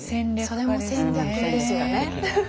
それも戦略ですよね。